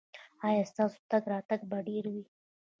ایا ستاسو تګ راتګ به ډیر وي؟